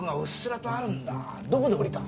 どこで降りた？